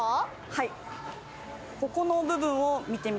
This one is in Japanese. はい。